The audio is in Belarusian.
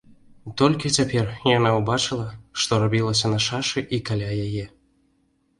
Толькі цяпер яна ўбачыла, што рабілася на шашы і каля яе.